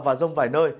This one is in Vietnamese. và rông vài nơi